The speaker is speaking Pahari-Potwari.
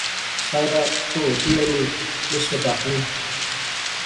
ساحرہ ، تو ہوٹی اینی، نصرت آخنی